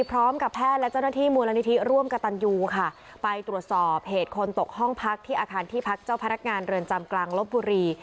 พร้อมกับแพทย์และเจ้าหน้าที่มูลนิธิร่วมกับตันยูค่ะไปตรวจสอบเหตุคนตกห้องพักที่อาคารที่พักเจ้าพนักงานเรือนจำกลางลบบุรี